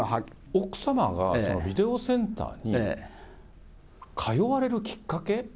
奥様がビデオセンターに通われるきっかけ？